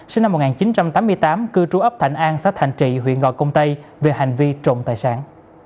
sinh năm một nghìn chín trăm tám mươi tám cư trú ấp thạnh an xã thạnh trị huyện gò công tây về hành vi trộm tài sản